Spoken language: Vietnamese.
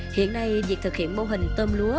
hiện nay việc thực hiện mô hình tôm lúa